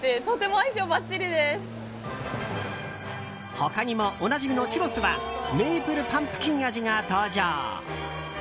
他にも、おなじみのチュロスはメイプルパンプキン味が登場。